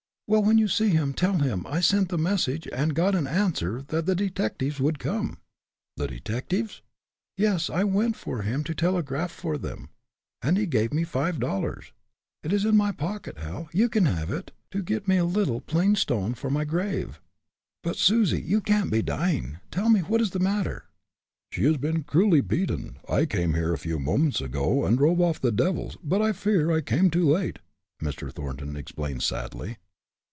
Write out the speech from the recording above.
"Well, when you see him, tell him I sent the message, and got an answer that the detectives would come." "The detectives?" "Yes. I went for him, to telegraph for them, and he gave me five dollars. It is in my pocket, Hal you can have it, to get me a little, plain stone for my grave." "But, Susie, you can't be dying tell me what is the matter?" "She has been cruelly beaten. I came here a few moments ago and drove off the devils, but I fear I came too late!" Mr. Thornton explained, sadly.